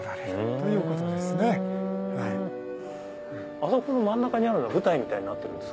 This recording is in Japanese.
あそこの真ん中にあるのは舞台みたいになってるんですか？